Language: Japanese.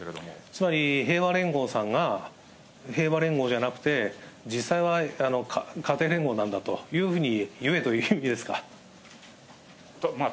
つまり平和連合さんが、平和連合じゃなくて、実際は家庭連合なんだというふうに言えという意味ですか？